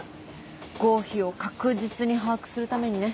合否を確実に把握するためにね。